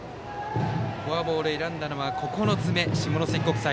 フォアボールを選んだのは９つ目、下関国際。